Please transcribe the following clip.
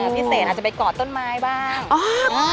พี่เศษจะไปกอดต้นไม้บ้าง